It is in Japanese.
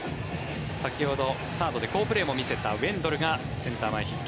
先ほどサードで好プレーも見せたウェンドルがセンター前ヒット。